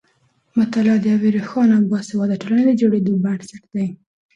مطالعه د یوې روښانه او باسواده ټولنې د جوړېدو بنسټ دی.